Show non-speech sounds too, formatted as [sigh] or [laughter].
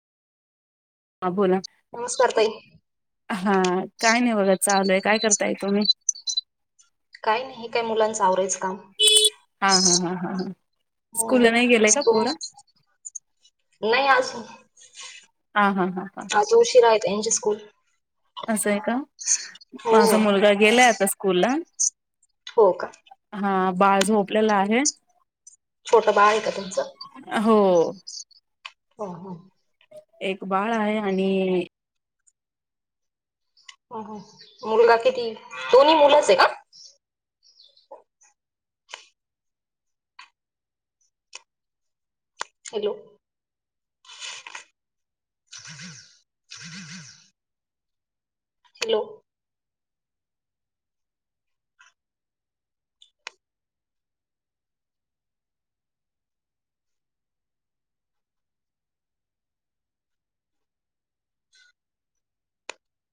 हां बोला. नमस्कार ताई. हा काय नाही बघा चालूय. काय करताय तुम्ही? काय नाही हे काय मुलांच आवरायच काम. हा हा हा ह ह. हो. स्कूल नाही गेले का स्कूल पोर? नाही आज हा हा हा हां. आज उशीरा आहेत यांचे स्कूल. असं आहे का? हो माझा मुलगा गेलाय आता स्कूलला. हो का? हा बाळ झोपलेल आहे. छोटं बाळ आहे का तुमच? हो. ह ह. एक बाळ आहे आणि मुलगा किती दोनही मुलंच आहे का? हॅलो. हॅलो. [inaudible]